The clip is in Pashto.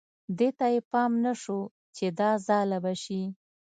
دې ته یې پام نه شو چې دا ځاله به شي.